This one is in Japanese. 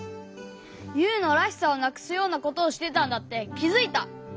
ユウの「らしさ」をなくすようなことをしてたんだってきづいた！